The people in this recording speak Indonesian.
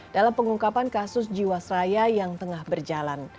dalam pengungkapan kasus jiwasraya yang tengah berjalan